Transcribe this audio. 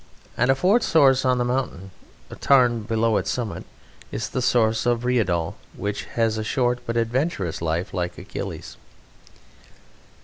And a fourth source on the mountain, a tarn below its summit, is the source of Rheidol, which has a short but adventurous life like Achilles.